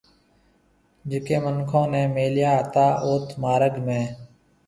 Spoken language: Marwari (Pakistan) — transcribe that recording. جڪون مِنکون نَي ميليا هتا اوٿ مارگ ۾